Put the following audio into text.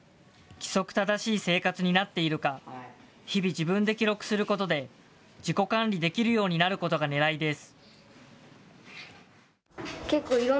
規則正しい生活になっているか、日々、自分で記録することで、自己管理できるようになることがねらいです。